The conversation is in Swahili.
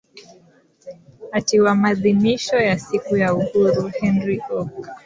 ati wa madhimisho ya siku ya uhuru henry oka